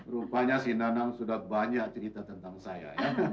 rupanya si nanam sudah banyak cerita tentang saya